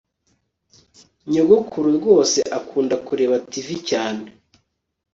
Nyogokuru rwose akunda kureba TV cyane